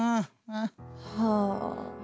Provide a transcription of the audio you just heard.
はあ。